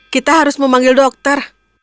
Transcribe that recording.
kita harus memanggil dokter